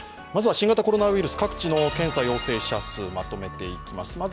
新型コロナウイルス各地の検査陽性者数まとめていきます。